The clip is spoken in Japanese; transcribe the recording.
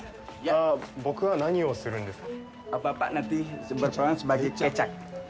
僕は何をするんですか？